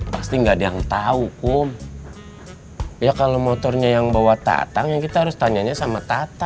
pasti nggak ada yang tahu kok ya kalau motornya yang bawa tatang ya kita harus tanyanya sama tatang